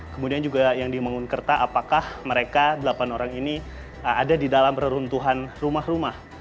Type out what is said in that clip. kemudian juga yang di mangunkerta apakah mereka delapan orang ini ada di dalam reruntuhan rumah rumah